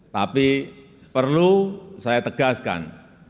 tapi perlu saya tegaskan